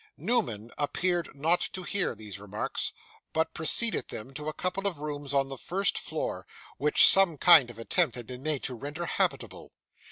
Newman appeared not to hear these remarks, but preceded them to a couple of rooms on the first floor, which some kind of attempt had been made to render habitable.